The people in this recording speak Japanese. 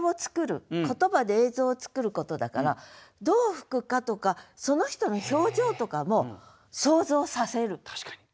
言葉で映像をつくることだからどう吹くかとかその人の表情とかも想像させる。